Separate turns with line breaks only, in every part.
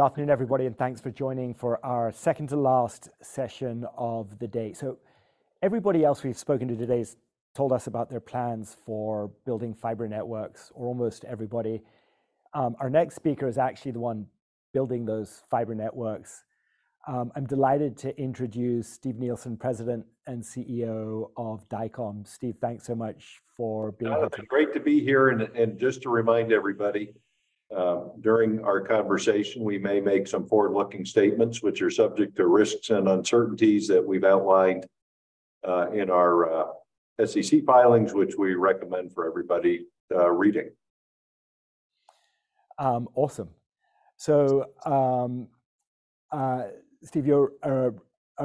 Good afternoon, everybody, thanks for joining for our second to last session of the day. Everybody else we've spoken to today has told us about their plans for building fiber networks, or almost everybody. Our next speaker is actually the one building those fiber networks. I'm delighted to introduce Steve Nielsen, President and CEO of Dycom. Steve, thanks so much for being with us.
Jonathan, great to be here. Just to remind everybody, during our conversation, we may make some forward-looking statements which are subject to risks and uncertainties that we've outlined in our SEC filings, which we recommend for everybody reading.
Awesome. Steve, you're a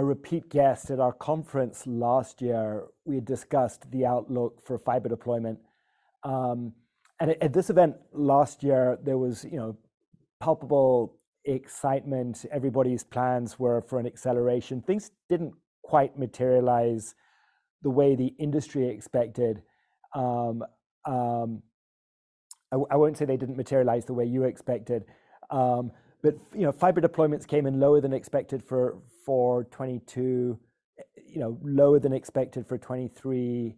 repeat guest at our conference last year. We discussed the outlook for fiber deployment. At this event last year, there was, you know, palpable excitement. Everybody's plans were for an acceleration. Things didn't quite materialize the way the industry expected. I won't say they didn't materialize the way you expected, you know, fiber deployments came in lower than expected for 2022, you know, lower than expected for 2023.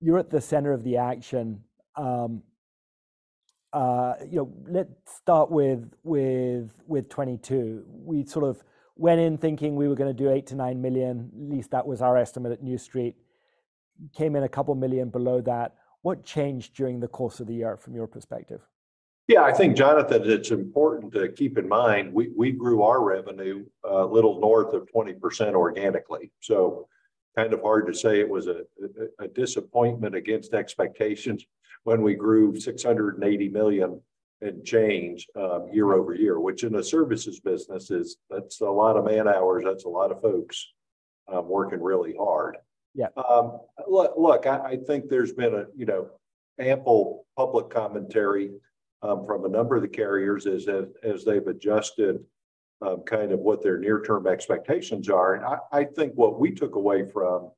You're at the center of the action. You know, let's start with 2022. We sort of went in thinking we were gonna do $8 million-$9 million, at least that was our estimate at New Street Research, came in $2 million below that. What changed during the course of the year from your perspective?
Yeah. I think, Jonathan, it's important to keep in mind, we grew our revenue, little north of 20% organically. Kind of hard to say it was a disappointment against expectations when we grew $680 million in change year-over-year, which in the services business is, that's a lot of man-hours, that's a lot of folks working really hard.
Yeah.
Look, I think there's been a, you know, ample public commentary from a number of the carriers as they've adjusted kind of what their near term expectations are. I think what we took away from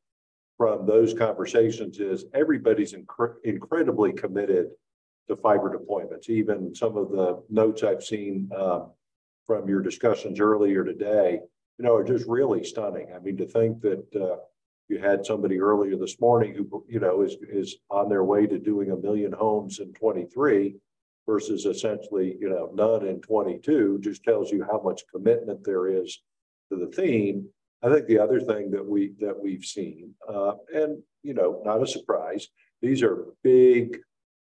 those conversations is everybody's incredibly committed to fiber deployments. Even some of the notes I've seen from your discussions earlier today, you know, are just really stunning. I mean, to think that you had somebody earlier this morning who, you know, is on their way to doing 1 million homes in 2023 versus essentially, you know, none in 2022, just tells you how much commitment there is to the theme. I think the other thing that we've seen, and, you know, not a surprise, these are big,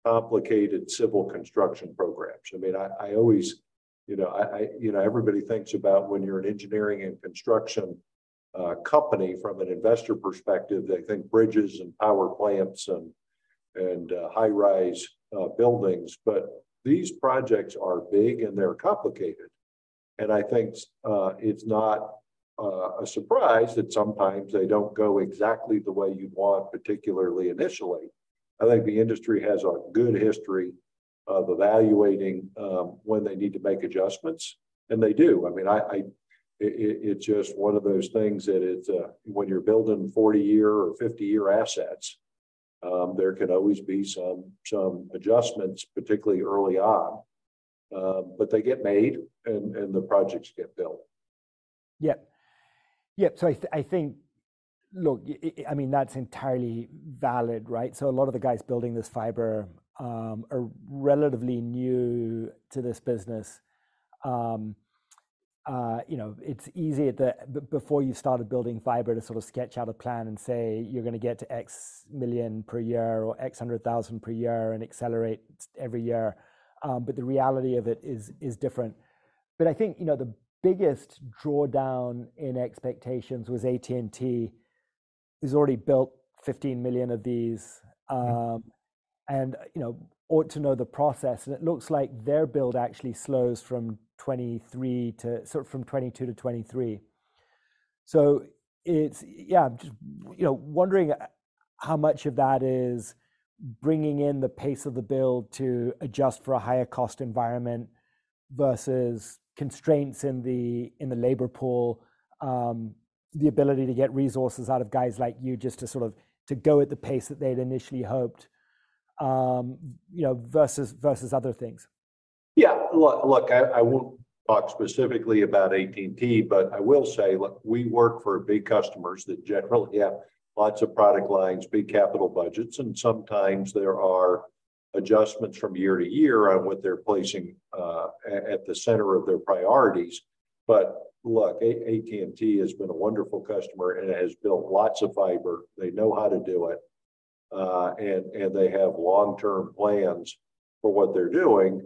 complicated civil construction programs. I mean, I always, you know. You know, everybody thinks about when you're an engineering and construction company from an investor perspective, they think bridges and power plants and high rise buildings. These projects are big, and they're complicated. I think it's not a surprise that sometimes they don't go exactly the way you'd want, particularly initially. I think the industry has a good history of evaluating when they need to make adjustments, and they do. I mean, it's just one of those things that it's when you're building 40-year or 50-year assets, there can always be some adjustments, particularly early on, but they get made and the projects get built.
Yeah. Yeah. I think, look, I mean, that's entirely valid, right? A lot of the guys building this fiber are relatively new to this business. You know, it's easy before you started building fiber to sketch out a plan and say you're gonna get to X million per year or X hundred thousand per year and accelerate every year, but the reality of it is different. I think, you know, the biggest drawdown in expectations was AT&T has already built $15 million of these, and, you know, ought to know the process. It looks like their build actually slows from 2023 to from 2022 to 2023. It's, yeah, just, you know, wondering how much of that is bringing in the pace of the build to adjust for a higher cost environment versus constraints in the, in the labor pool, the ability to get resources out of guys like you just to sort of go at the pace that they had initially hoped, you know, versus other things.
Yeah. Look, I won't talk specifically about AT&T, but I will say, look, we work for big customers that generally have lots of product lines, big capital budgets, and sometimes there are adjustments from year to year on what they're placing at the center of their priorities. Look, AT&T has been a wonderful customer and has built lots of fiber. They know how to do it, and they have long-term plans for what they're doing.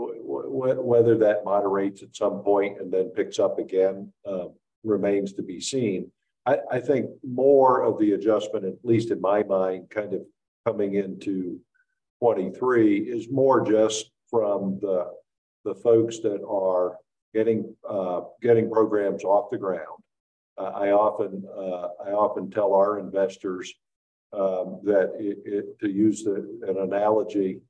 Whether that moderates at some point and then picks up again, remains to be seen. I think more of the adjustment, at least in my mind, kind of coming into 2023, is more just from the folks that are getting programs off the ground. I often tell our investors that it, to use an analogy,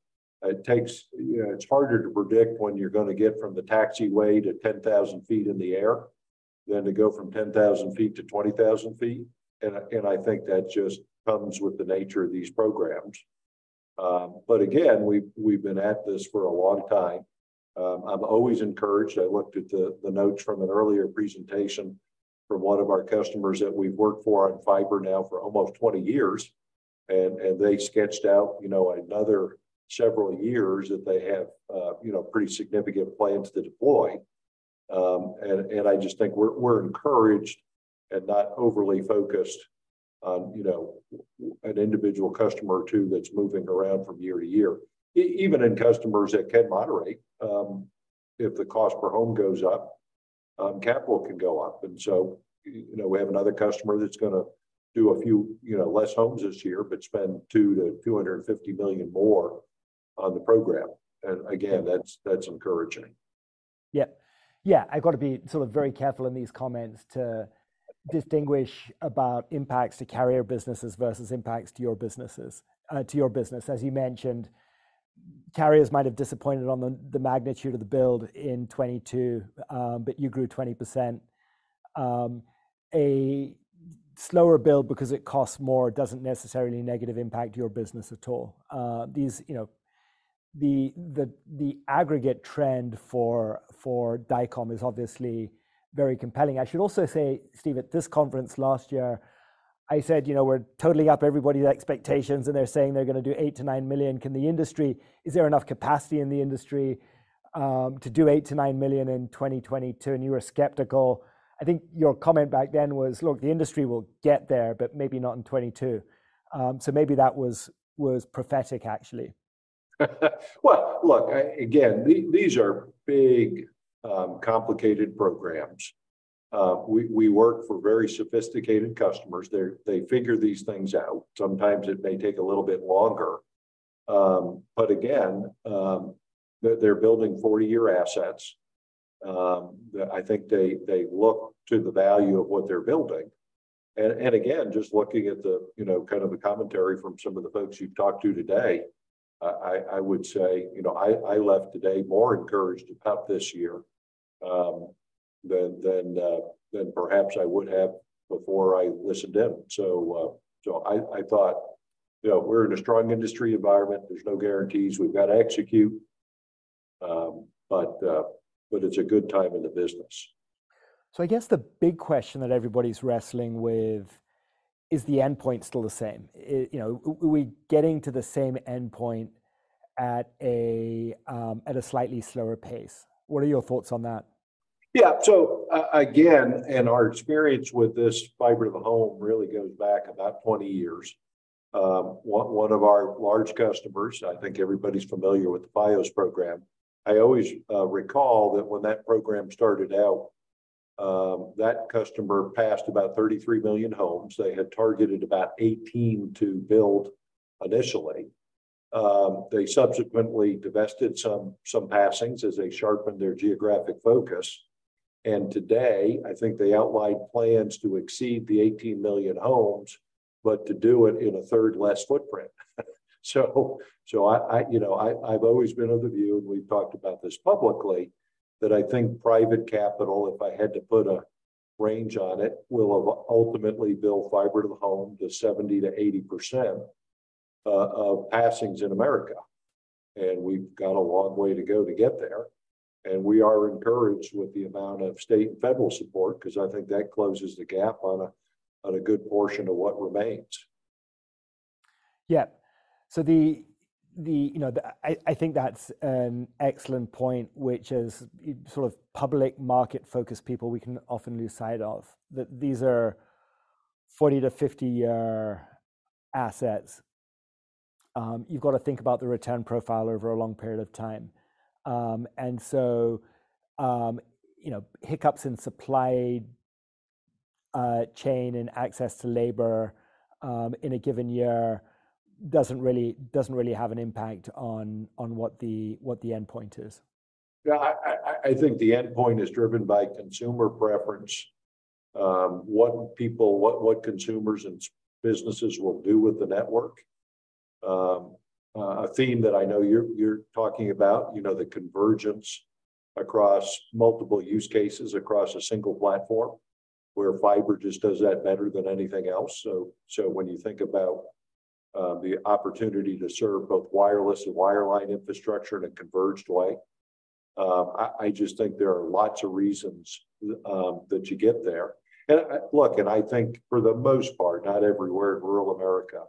it takes, you know, it's harder to predict when you're gonna get from the taxiway to 10,000 ft in the air. Then to go from 10,000 ft-20,000 ft, I think that just comes with the nature of these programs. Again, we've been at this for a long time. I'm always encouraged. I looked at the notes from an earlier presentation from one of our customers that we've worked for on fiber now for almost 20 years. They sketched out, you know, another several years that they have, you know, pretty significant plans to deploy. I just think we're encouraged and not overly focused on, you know, an individual customer or two that's moving around from year to year. Even in customers that can moderate, if the cost per home goes up, capital can go up. You know, we have another customer that's gonna do a few, you know, less homes this year, but spend $2 million-$250 million more on the program. Again, that's encouraging.
Yeah. Yeah, I've got to be sort of very careful in these comments to distinguish about impacts to carrier businesses versus impacts to your businesses, to your business. As you mentioned, carriers might have disappointed on the magnitude of the build in 2022, but you grew 20%. A slower build because it costs more doesn't necessarily negative impact your business at all. These, you know, the aggregate trend for Dycom is obviously very compelling. I should also say, Steve, at this conference last year, I said, you know, we're totaling up everybody's expectations, and they're saying they're gonna do $8 million-$9 million. Can the industry, is there enough capacity in the industry to do $8 million-$9 million in 2022? You were skeptical. I think your comment back then was, "Look, the industry will get there, but maybe not in 2022." Maybe that was prophetic, actually.
Well, look, again, these are big, complicated programs. We work for very sophisticated customers. They figure these things out. Sometimes it may take a little bit longer. Again, they're building 40-year assets that I think they look to the value of what they're building. Again, just looking at the, you know, kind of the commentary from some of the folks you've talked to today, I would say, you know, I left today more encouraged about this year than perhaps I would have before I listened to him. I thought, you know, we're in a strong industry environment. There's no guarantees we've got to execute. It's a good time in the business.
I guess the big question that everybody's wrestling with, is the endpoint still the same? You know, are we getting to the same endpoint at a slightly slower pace? What are your thoughts on that?
Yeah. So again, our experience with this fiber to the home really goes back about 20 years. One of our large customers, I think everybody's familiar with the Fios program, I always recall that when that program started out, that customer passed about 33 million homes. They had targeted about 18 to build initially. They subsequently divested some passings as they sharpened their geographic focus. Today, I think they outlined plans to exceed the 18 million homes, but to do it in a third less footprint. I, you know, I've always been of the view, and we've talked about this publicly, that I think private capital, if I had to put a range on it, will have ultimately build fiber to the home to 70%-80% of passings in America. We've got a long way to go to get there. We are encouraged with the amount of state and federal support because I think that closes the gap on a good portion of what remains.
Yeah. The, you know, I think that's an excellent point, which is sort of public market-focused people we can often lose sight of. That these are 40 to 50-year assets. You've got to think about the return profile over a long period of time. You know, hiccups in supply chain and access to labor in a given year doesn't really have an impact on what the endpoint is.
Yeah. I think the endpoint is driven by consumer preference, what people, what consumers and businesses will do with the network. A theme that I know you're talking about, you know, the convergence across multiple use cases across a single platform where fiber just does that better than anything else. When you think about the opportunity to serve both wireless and wireline infrastructure in a converged way, I just think there are lots of reasons that you get there. Look, I think for the most part, not everywhere in rural America,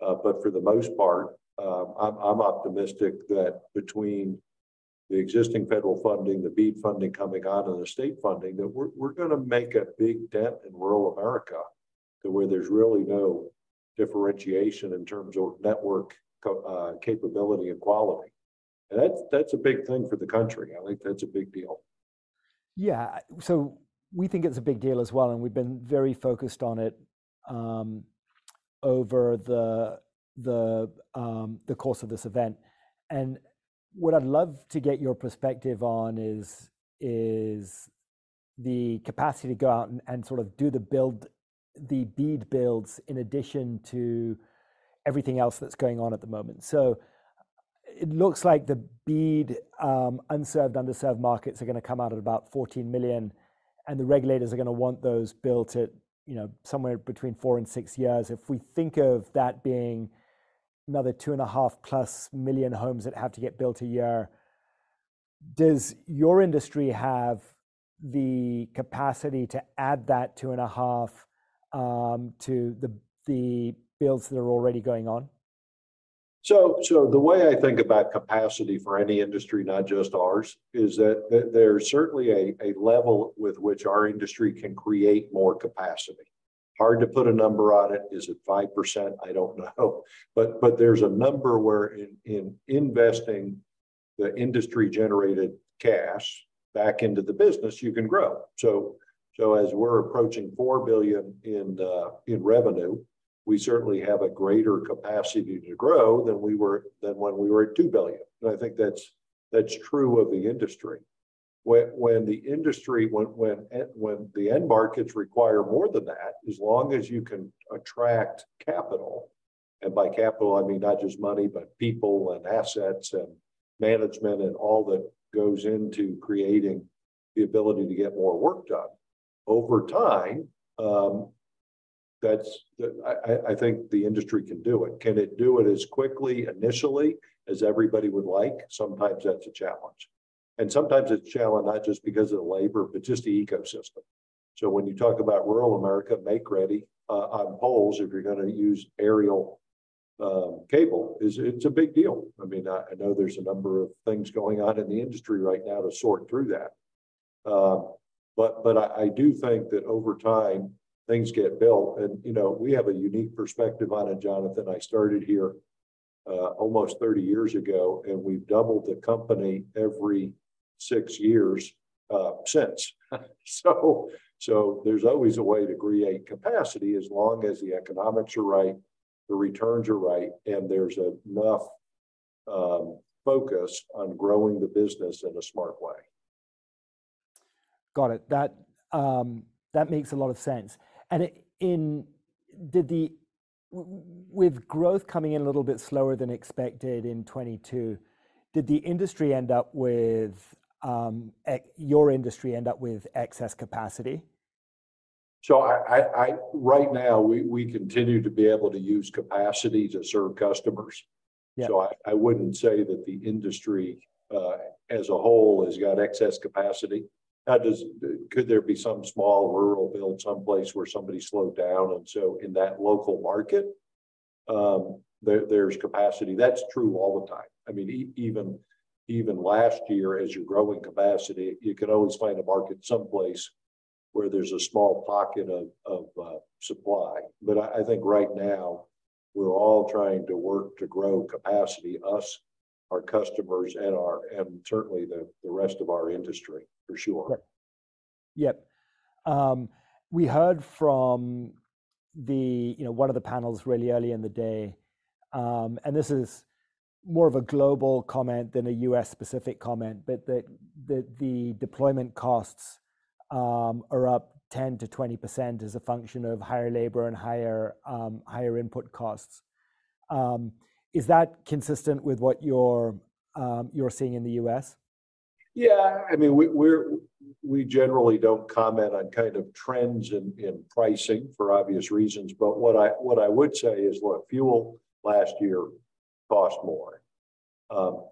but for the most part, I'm optimistic that between the existing federal funding, the BEAD funding coming out, and the state funding, that we're gonna make a big dent in rural America to where there's really no differentiation in terms of network capability and quality. That's a big thing for the country. I think that's a big deal.
We think it's a big deal as well, and we've been very focused on it, over the course of this event. What I'd love to get your perspective on is the capacity to go out and sort of do the build, the BEAD builds in addition to everything else that's going on at the moment. It looks like the BEAD unserved, underserved markets are gonna come out at about $14 million, and the regulators are gonna want those built at, you know, somewhere between four and six years. If we think of that being another 2.5+ million homes that have to get built a year, does your industry have the capacity to add that 2.5 to the builds that are already going on?
The way I think about capacity for any industry, not just ours, is that there's certainly a level with which our industry can create more capacity. Hard to put a number on it. Is it 5%? I don't know. There's a number where in investing the industry-generated cash back into the business, you can grow. As we're approaching $4 billion in revenue, we certainly have a greater capacity to grow than when we were at $2 billion. I think that's true of the industry. When the industry, when the end markets require more than that, as long as you can attract capital, and by capital, I mean not just money, but people and assets and management and all that goes into creating the ability to get more work done, over time, I think the industry can do it. Can it do it as quickly initially as everybody would like? Sometimes that's a challenge. Sometimes it's a challenge not just because of the labor, but just the ecosystem. When you talk about rural America, make ready on poles, if you're gonna use aerial cable, it's a big deal. I mean, I know there's a number of things going on in the industry right now to sort through that. I do think that over time, things get built and, you know, we have a unique perspective on it, Jonathan. I started here, almost 30 years ago, and we've doubled the company every six years since. There's always a way to create capacity as long as the economics are right, the returns are right, and there's enough focus on growing the business in a smart way.
Got it. That, that makes a lot of sense. With growth coming in a little bit slower than expected in 2022, did the industry end up with, your industry end up with excess capacity?
I right now, we continue to be able to use capacity to serve customers.
Yeah.
I wouldn't say that the industry as a whole has got excess capacity. Could there be some small rural build someplace where somebody slowed down, in that local market, there's capacity? That's true all the time. I mean, even last year, as you're growing capacity, you could always find a market someplace where there's a small pocket of supply. I think right now we're all trying to work to grow capacity, us, our customers, and certainly the rest of our industry, for sure.
Right. Yep. We heard from the, you know, one of the panels really early in the day, this is more of a global comment than a US-specific comment, but the deployment costs are up 10%-20% as a function of higher labor and higher input costs. Is that consistent with what you're seeing in the US?
Yeah. I mean, we generally don't comment on kind of trends in pricing for obvious reasons. What I, what I would say is, look, fuel last year cost more.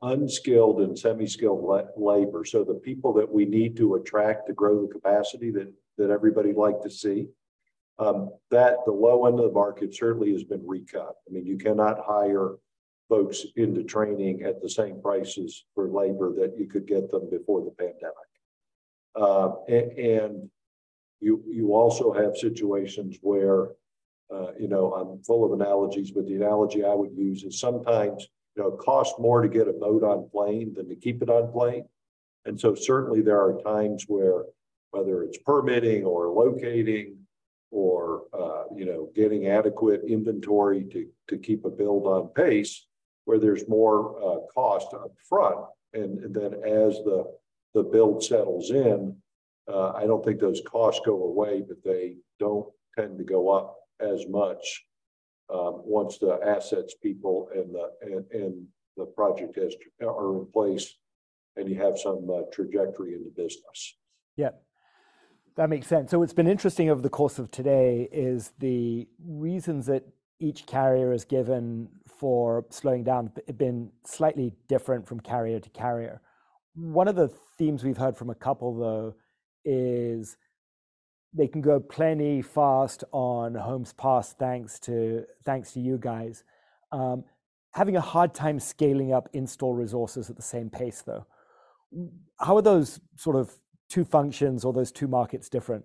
Unskilled and semi-skilled labor, so the people that we need to attract to grow the capacity that everybody would like to see, the low end of the market certainly has been recut. I mean, you cannot hire folks into training at the same prices for labor that you could get them before the pandemic. And you also have situations where, you know, I'm full of analogies, but the analogy I would use is sometimes, you know, it costs more to get a boat on plane than to keep it on plane. Certainly there are times where whether it's permitting or locating or, you know, getting adequate inventory to keep a build on pace, where there's more cost up front. Then as the build settles in, I don't think those costs go away, but they don't tend to go up as much, once the assets, people, and the project are in place and you have some trajectory in the business.
Yeah. That makes sense. What's been interesting over the course of today is the reasons that each carrier has given for slowing down have been slightly different from carrier to carrier. One of the themes we've heard from a couple, though, is they can go plenty fast on homes passed, thanks to you guys. Having a hard time scaling up install resources at the same pace, though. How are those sort of two functions or those two markets different?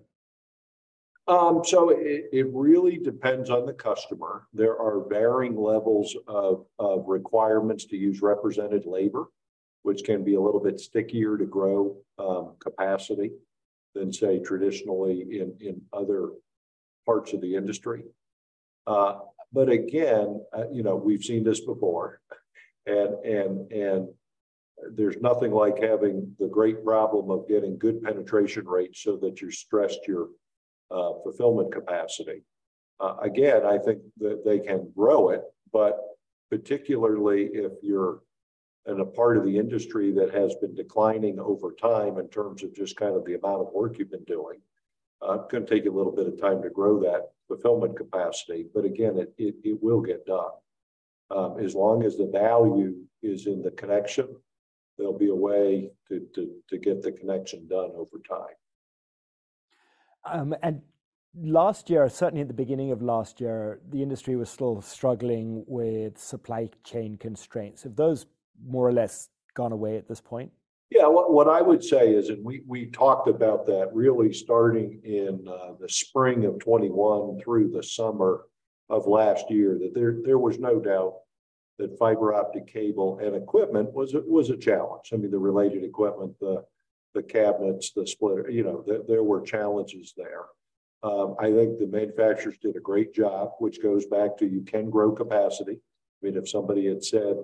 It really depends on the customer. There are varying levels of requirements to use represented labor, which can be a little bit stickier to grow capacity than, say, traditionally in other parts of the industry. Again, you know, we've seen this before. There's nothing like having the great problem of getting good penetration rates so that you're stressed your fulfillment capacity. Again, I think that they can grow it, particularly if you're in a part of the industry that has been declining over time in terms of just kind of the amount of work you've been doing, gonna take you a little bit of time to grow that fulfillment capacity. Again, it will get done. As long as the value is in the connection, there'll be a way to get the connection done over time.
Last year, certainly at the beginning of last year, the industry was still struggling with supply chain constraints. Have those more or less gone away at this point?
Yeah, what I would say is, we talked about that really starting in the spring of 2021 through the summer of last year, that there was no doubt that fiber optic cable and equipment was a challenge. I mean, the related equipment, the cabinets, the splitter, you know, there were challenges there. I think the manufacturers did a great job, which goes back to you can grow capacity. I mean, if somebody had said,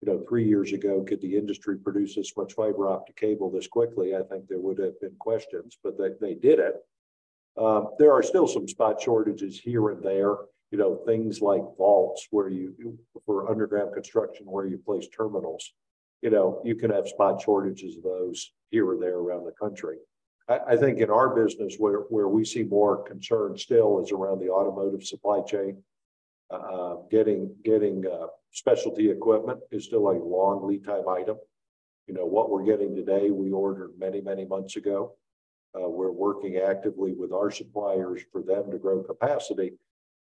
you know, three years ago, "Could the industry produce this much fiber optic cable this quickly?" I think there would have been questions, they did it. There are still some spot shortages here and there. You know, things like vaults where you for underground construction, where you place terminals, you know, you can have spot shortages of those here or there around the country. I think in our business where we see more concern still is around the automotive supply chain. getting specialty equipment is still a long lead time item. You know, what we're getting today, we ordered many, many months ago. We're working actively with our suppliers for them to grow capacity,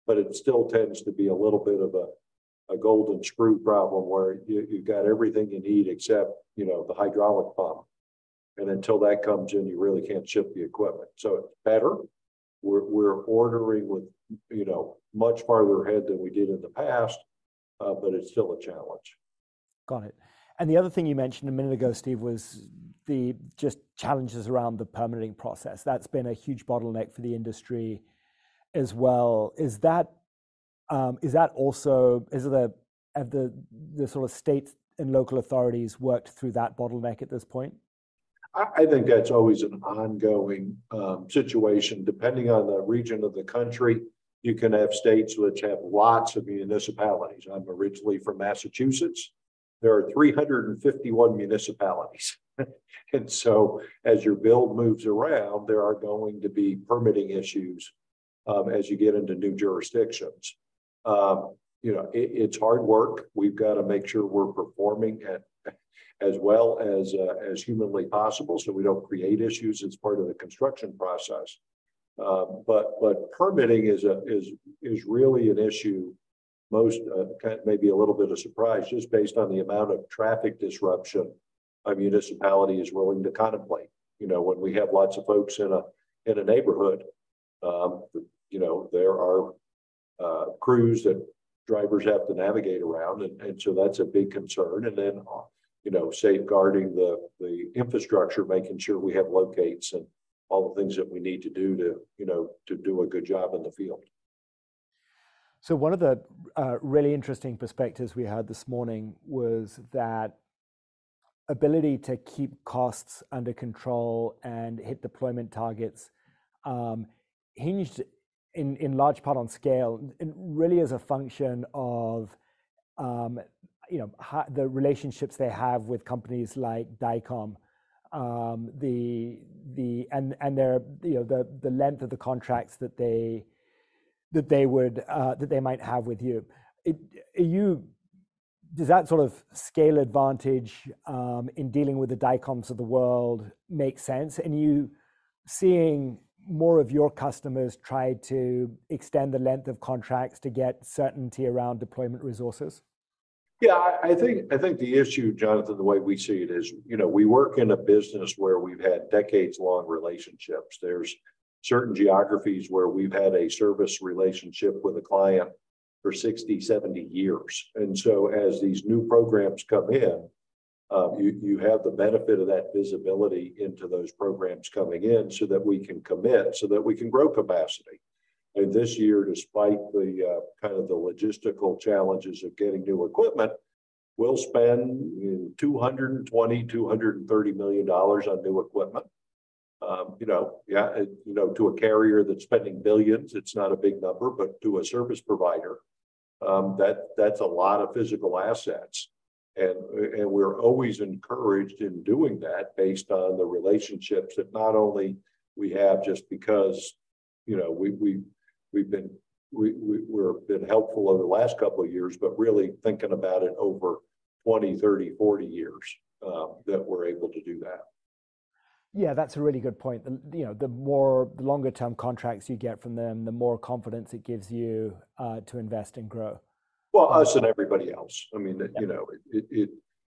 but it still tends to be a little bit of a golden screw problem, where you've got everything you need except, you know, the hydraulic pump. Until that comes in, you really can't ship the equipment. It's better. We're ordering with, you know, much farther ahead than we did in the past, but it's still a challenge.
Got it. The other thing you mentioned a minute ago, Steve, was the just challenges around the permitting process. That's been a huge bottleneck for the industry as well. Is that, is that also, is the, have the sort of state and local authorities worked through that bottleneck at this point?
I think that's always an ongoing situation. Depending on the region of the country, you can have states which have lots of municipalities. I'm originally from Massachusetts. There are 351 municipalities. So as your build moves around, there are going to be permitting issues as you get into new jurisdictions. You know, it's hard work. We've gotta make sure we're performing as well as humanly possible so we don't create issues as part of the construction process. But permitting is really an issue most may be a little bit of surprise just based on the amount of traffic disruption a municipality is willing to contemplate. You know, when we have lots of folks in a, in a neighborhood, you know, there are crews that drivers have to navigate around and so that's a big concern. You know, safeguarding the infrastructure, making sure we have locates and all the things that we need to do to, you know, to do a good job in the field.
One of the really interesting perspectives we had this morning was that ability to keep costs under control and hit deployment targets hinged in large part on scale and really as a function of, you know, the relationships they have with companies like Dycom. The and their, you know, the length of the contracts that they would, that they might have with you. It, you, does that sort of scale advantage in dealing with the Dycoms of the world make sense? You seeing more of your customers try to extend the length of contracts to get certainty around deployment resources?
Yeah, I think the issue, Jonathan, the way we see it is, you know, we work in a business where we've had decades long relationships. There's certain geographies where we've had a service relationship with a client for 60, 70 years. As these new programs come in, you have the benefit of that visibility into those programs coming in so that we can commit, so that we can grow capacity. This year, despite the kind of the logistical challenges of getting new equipment, we'll spend $220 million-$230 million on new equipment. You know, yeah, you know, to a carrier that's spending billions, it's not a big number, but to a service provider, that's a lot of physical assets. We're always encouraged in doing that based on the relationships that not only we have just because, you know, we've been, we're been helpful over the last couple years, but really thinking about it over 20, 30, 40 years, that we're able to do that.
Yeah, that's a really good point. The, you know, the longer term contracts you get from them, the more confidence it gives you to invest and grow.
Us and everybody else. I mean, you know,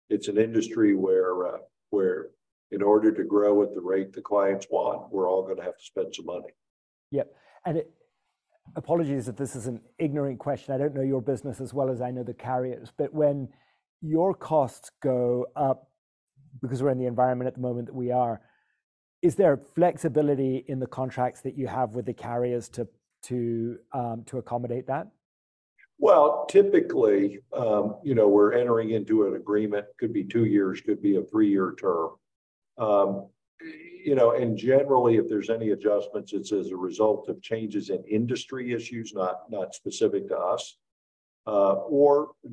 it's an industry where in order to grow at the rate the clients want, we're all gonna have to spend some money.
Yeah. Apologies if this is an ignorant question. I don't know your business as well as I know the carriers. When your costs go up, because we're in the environment at the moment that we are, is there flexibility in the contracts that you have with the carriers to accommodate that?
Well, typically, you know, we're entering into an agreement, could be two years, could be a three-year term. You know, generally, if there's any adjustments, it's as a result of changes in industry issues, not specific to us.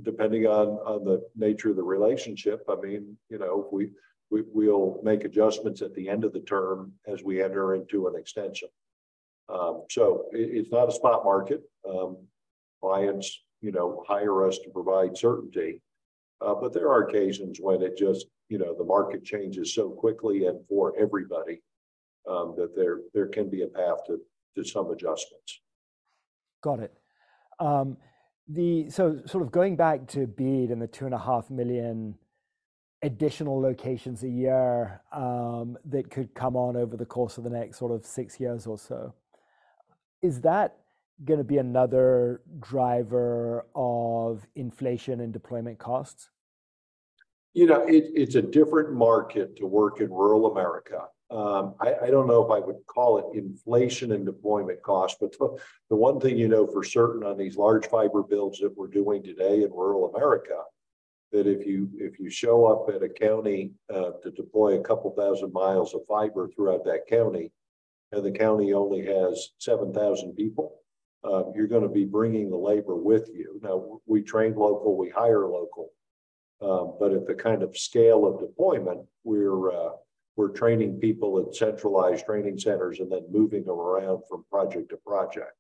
Depending on the nature of the relationship, I mean, you know, we'll make adjustments at the end of the term as we enter into an extension. It's not a spot market. Clients, you know, hire us to provide certainty. There are occasions when it just, you know, the market changes so quickly and for everybody, that there can be a path to some adjustments.
Got it. Sort of going back to BEAD and the 2.5 million additional locations a year, that could come on over the course of the next sort of six years or so, is that gonna be another driver of inflation and deployment costs?
You know, it's a different market to work in rural America. I don't know if I would call it inflation and deployment costs, but the one thing you know for certain on these large fiber builds that we're doing today in rural America, that if you show up at a county to deploy a couple thousand miles of fiber throughout that county, and the county only has 7,000 people, you're gonna be bringing the labor with you. Now, we train local, we hire local. But at the kind of scale of deployment, we're training people at centralized training centers and then moving them around from project to project.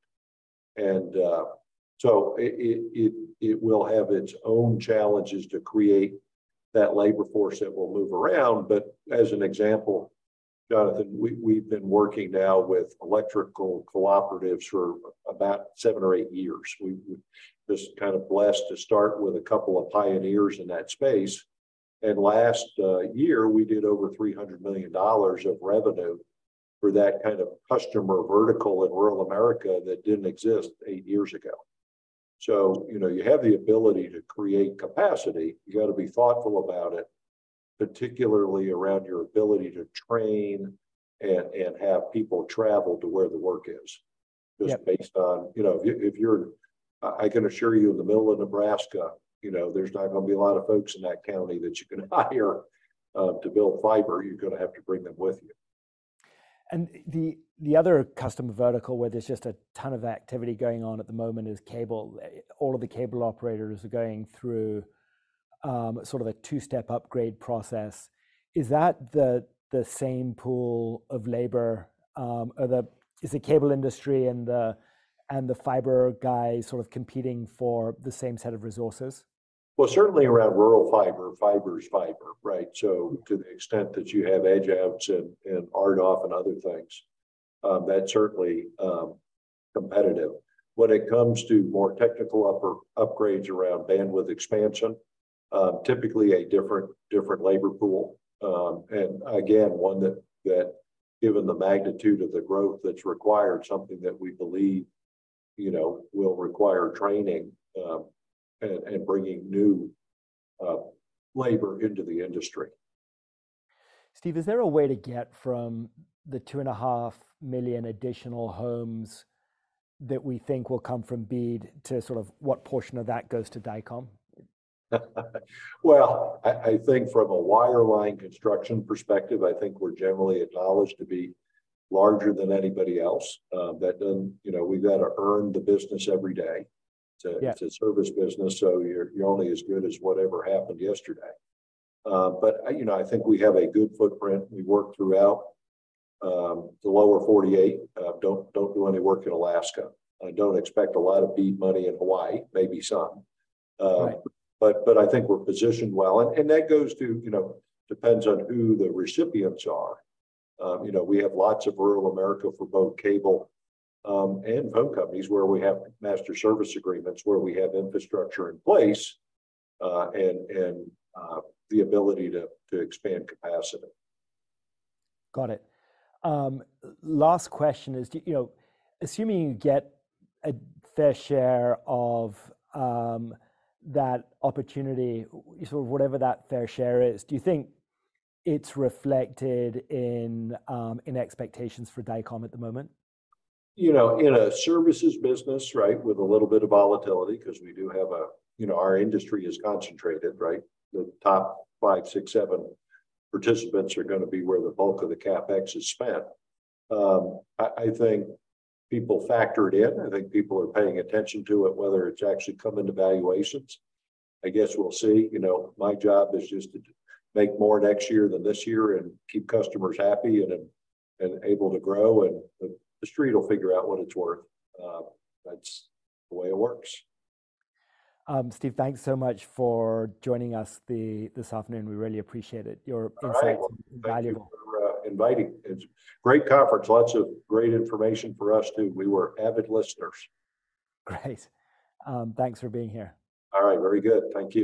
So it will have its own challenges to create that labor force that will move around. As an example, Jonathan, we've been working now with electrical cooperatives for about seven or eight years. We would just kind of blessed to start with a couple of pioneers in that space. Last year, we did over $300 million of revenue for that kind of customer vertical in rural America that didn't exist eight years ago. You know, you have the ability to create capacity. You gotta be thoughtful about it, particularly around your ability to train and have people travel to where the work is.
Yeah.
Just based on, you know, I can assure you in the middle of Nebraska, you know, there's not gonna be a lot of folks in that county that you can hire to build fiber. You're gonna have to bring them with you.
The other customer vertical where there's just a ton of activity going on at the moment is cable. All of the cable operators are going through, sort of a two-step upgrade process. Is the cable industry and the fiber guys sort of competing for the same set of resources?
Certainly around rural fiber is fiber, right? To the extent that you have edge apps and RDOF and other things, that's certainly competitive. When it comes to more technical upgrades around bandwidth expansion, typically a different labor pool. Again, one that given the magnitude of the growth that's required, something that we believe, you know, will require training, and bringing new labor into the industry.
Steve, is there a way to get from the 2.5 million additional homes that we think will come from BEAD to sort of what portion of that goes to Dycom?
Well, I think from a wireline construction perspective, I think we're generally acknowledged to be larger than anybody else. That doesn't, you know, we've gotta earn the business every day.
Yeah
to service business, so you're only as good as whatever happened yesterday. You know, I think we have a good footprint. We work throughout the lower 48. Don't do any work in Alaska. I don't expect a lot of BEAD money in Hawaii, maybe some.
Right.
I think we're positioned well. That goes to, you know, depends on who the recipients are. You know, we have lots of rural America for both cable and phone companies where we have master service agreements, where we have infrastructure in place, and the ability to expand capacity.
Got it. Last question is, do you know, assuming you get a fair share of that opportunity, sort of whatever that fair share is, do you think it's reflected in expectations for Dycom at the moment?
You know, in a services business, right, with a little bit of volatility 'cause we do have a, you know, our industry is concentrated, right? The top five, six, seven participants are gonna be where the bulk of the CapEx is spent. I think people factor it in. I think people are paying attention to it, whether it's actually come into valuations. I guess we'll see. You know, my job is just to make more next year than this year and keep customers happy and able to grow, and the Street will figure out what it's worth. That's the way it works.
Steve, thanks so much for joining us this afternoon. We really appreciate it. Your insight...
All right.
is valuable.
Thank you for inviting. It's great conference. Lots of great information for us, too. We were avid listeners.
Great. Thanks for being here.
All right. Very good. Thank you.